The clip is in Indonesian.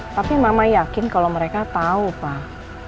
tapi mama yakin kalau mereka tahu pak